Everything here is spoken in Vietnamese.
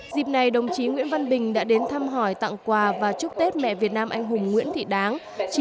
dịp này đồng chí nguyễn văn bình đã đến thăm hỏi tặng quà và chúc tết mẹ việt nam anh hùng nguyễn thị đáng